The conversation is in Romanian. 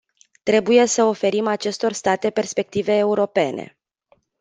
Trebuie să oferim acestor state perspective europene.